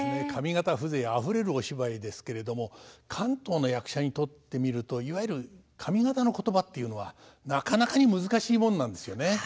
上方風情あふれるお芝居ですけれども関東の役者にとってみるといわゆる上方の言葉っていうのはなかなかに難しいもんなんですよね。